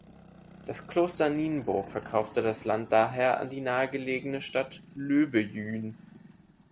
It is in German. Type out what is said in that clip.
Das Kloster Nienburg verkaufte das Land daher an die nahegelegene Stadt Löbejün.